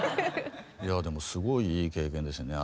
いやぁでもすごいいい経験でしたね。